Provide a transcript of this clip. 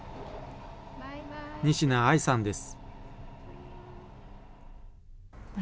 仁科藍さんです。